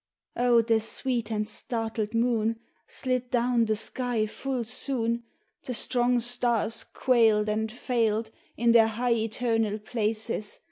O the sweet and startled moon Slid down the sky full soon 106 LAMENT OF FITHIR 107 The strong stars quailed and failed In their high eternal places.